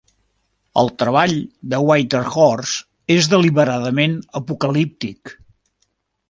El treball de Whitehorse és deliberadament apocalíptic.